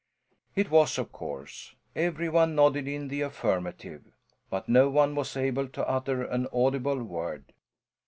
It was of course. Every one nodded in the affirmative, but no one was able to utter an audible word.